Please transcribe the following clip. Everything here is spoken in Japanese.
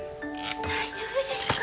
大丈夫ですか。